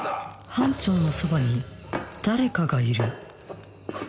班長のそばに誰かがいる